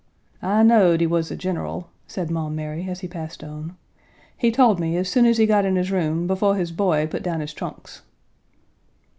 "I knowed he was a general," said Maum Mary as he passed on, "he told me as soon as he got in his room befo' his boy put down his trunks."